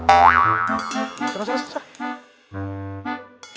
tenang tenang tenang